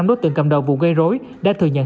năm đối tượng cầm đầu vụ gây rối đã thừa nhận